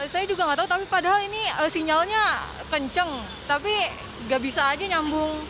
saya juga nggak tahu tapi padahal ini sinyalnya kenceng tapi gak bisa aja nyambung